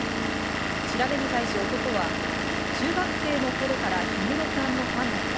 調べに対し、男は、中学生のころから氷室さんのファンだった。